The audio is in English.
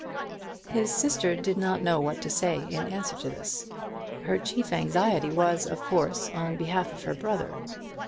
His sister did not know what to say in answer to this. Her chief anxiety was, of course, on behalf of her brother.